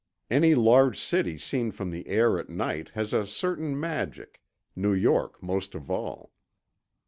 Any large city seen from the air at night has a certain magic, New York most of all.